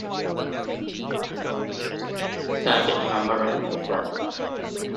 They will soon be indifferent and fatalistic.